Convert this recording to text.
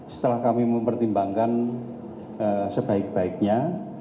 setelah kami mempertimbangkan sebaik baiknya